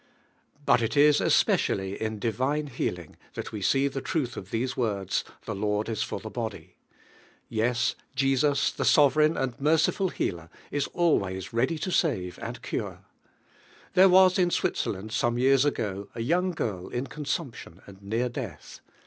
Bui it is especially in divine healing that we see the truth of these words: "The Lord is for the body." Yes, Jesus, Ihe sovereign and merciful Healer, is at ways ready to Bare and cure. There was in Switzerland, some years ago, a young girt in consumption and near death.